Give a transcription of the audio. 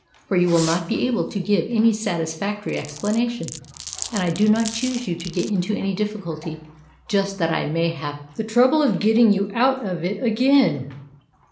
For you will not be able to give any satisfactory explanation; and I do not choose you to get into any difficulty just that I may have the trouble of getting you out of it again.